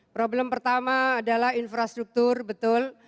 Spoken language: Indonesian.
problem pertama adalah infrastruktur betul